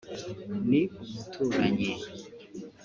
ni umuturanyi